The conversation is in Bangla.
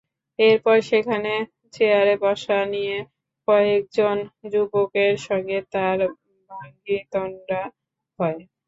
এরপর সেখানে চেয়ারে বসা নিয়ে কয়েকজন যুবকের সঙ্গে তাঁর বাগ্বিতণ্ডা হয়।